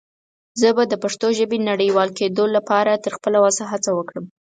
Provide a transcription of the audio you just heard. زه به دَ پښتو ژبې د نړيوال کيدلو لپاره تر خپله وسه هڅه وکړم.